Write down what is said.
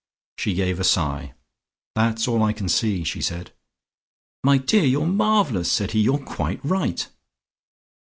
She gave a sigh. "That's all I can see," she said. "My dear, you're marvellous," said he. "You're quite right."